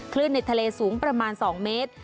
ในทะเลสูงประมาณ๒เมตร